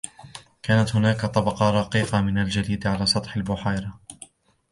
كانت هناك طبقة رقيقة من الجليد على سطح البحيرة.